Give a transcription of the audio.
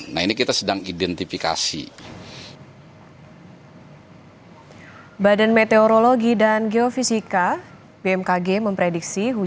nah ini kita sedang identifikasi